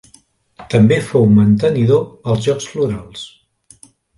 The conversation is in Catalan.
També fou mantenidor als Jocs Florals.